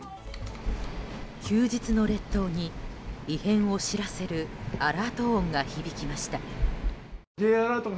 休日の列島に異変を知らせるアラート音が響きました。